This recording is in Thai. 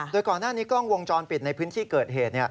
โดยก่อนหน้านี้กล้องวงจรปิดในพื้นที่เกิดเหตุ